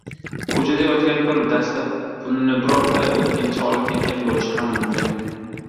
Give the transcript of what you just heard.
“Koʻchada yotgan bir dasta pulni birorta oʻtkinchi olib ketgan boʻlishi ham mumkin.